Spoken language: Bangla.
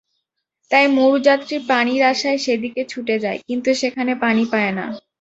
তাই মরুযাত্রী পানির আশায় সেদিকে ছুটে যায়, কিন্তু সেখানে পানি পায় না।